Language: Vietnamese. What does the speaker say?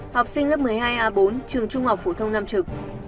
học sinh lớp một mươi hai a bốn trường trung học phổ thông nam trực